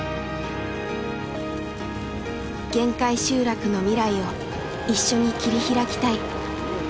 限界集落の未来を一緒に切り開きたい。